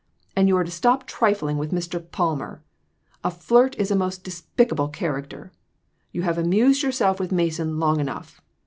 And you are to stop trifling with Mr. Palmer. A flirt is a most despicable character. You have amused yourself with Mason long enough.